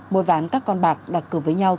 môi ván các con bạc đặt cử với nhau